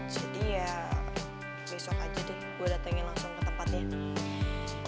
jadi ya besok aja deh gue datengin langsung ke tempatnya